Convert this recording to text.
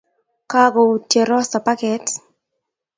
Kagoutye Rosa paket